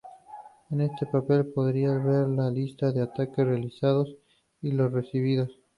En este panel podrás ver la lista de ataques realizados y los recibidos.